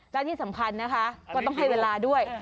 และที่สำคัญนะคะก็ต้องให้เวลาด้วย